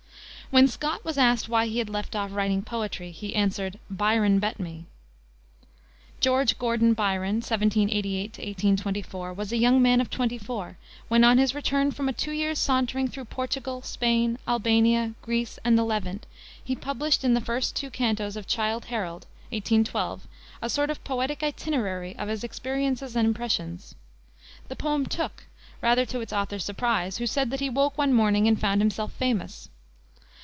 When Scott was asked why he had left off writing poetry, he answered, "Byron bet me." George Gordon Byron (1788 1824) was a young man of twenty four, when, on his return from a two years' sauntering through Portugal, Spain, Albania, Greece, and the Levant, he published, in the first two cantos of Childe Harold, 1812, a sort of poetic itinerary of his experiences and impressions. The poem took, rather to its author's surprise, who said that he woke one morning and found himself famous.